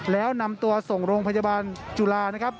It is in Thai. แล้วนำตัวส่งโรงพยาบาลจุฬา